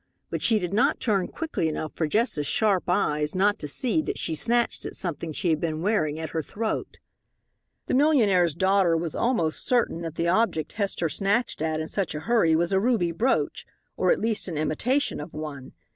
But she did not turn quickly enough for Jess's sharp eyes not to see that she snatched at something she had been wearing at her throat. The millionaire's daughter was almost certain that the object Hester snatched at in such a hurry was a ruby brooch, or at least an imitation of one.